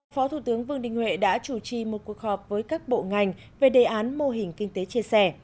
phó thủ tướng vương đình huệ đã chủ trì một cuộc họp với các bộ ngành về đề án mô hình kinh tế chia sẻ